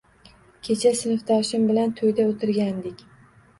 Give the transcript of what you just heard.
Kecha sinfdoshim bilan toʻyda oʻtirgandik.